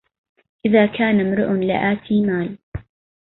إذا كان امرؤ لأتي مال